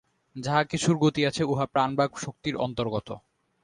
যাহা কিছুর গতি আছে, উহা প্রাণ বা শক্তির অন্তর্গত।